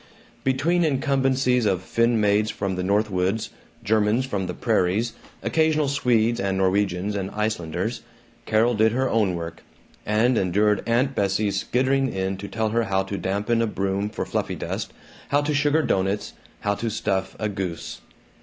Between incumbencies of Finn maids from the North Woods, Germans from the prairies, occasional Swedes and Norwegians and Icelanders, Carol did her own work and endured Aunt Bessie's skittering in to tell her how to dampen a broom for fluffy dust, how to sugar doughnuts, how to stuff a goose.